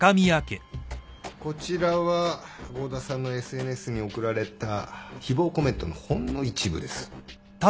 こちらは合田さんのＳＮＳに送られた誹謗コメントのほんの一部です。